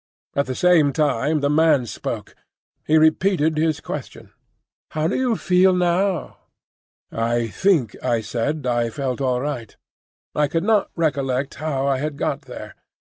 At the same time the man spoke. He repeated his question,—"How do you feel now?" I think I said I felt all right. I could not recollect how I had got there.